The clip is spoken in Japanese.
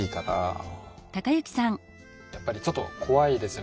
やっぱりちょっと怖いですよね。